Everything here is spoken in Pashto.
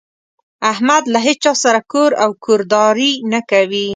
احمد له هيچا سره کور او کورداري نه کوي.